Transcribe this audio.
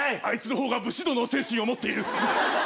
あいつの方が武士道の精神を持っている！